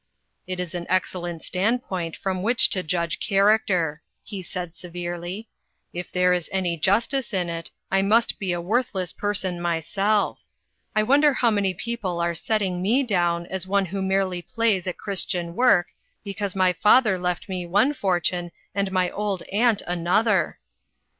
"It is an excellent standpoint from which to judge character," he said, severely. " If there is any justice in it I must be a worthless person myself. I wonder how many people are setting me down as one who merely plays at Christian work, because my father left me one fortune and my old aunt another